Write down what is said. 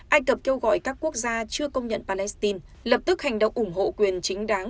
ai cập kêu gọi các quốc gia chưa công nhận palestine lập tức hành động ủng hộ quyền chính đáng